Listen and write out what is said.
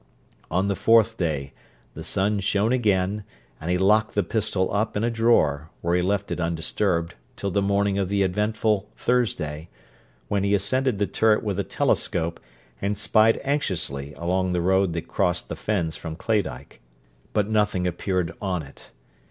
On the fourth day, the sun shone again; and he locked the pistol up in a drawer, where he left it undisturbed, till the morning of the eventful Thursday, when he ascended the turret with a telescope, and spied anxiously along the road that crossed the fens from Claydyke: but nothing appeared on it.